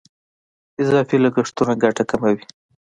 اضافي لګښتونه ګټه کموي.